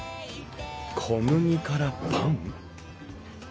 小麦からパン？